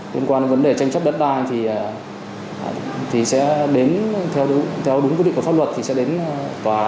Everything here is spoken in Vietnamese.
liên quan vấn đề tranh chấp đất đai thì sẽ đến theo đúng quy định của pháp luật